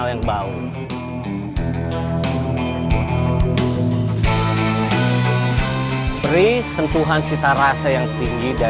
udah gak usah ngomongin dia